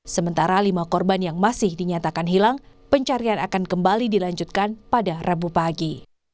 sementara lima korban yang masih dinyatakan hilang pencarian akan kembali dilanjutkan pada rabu pagi